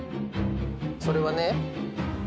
それはね。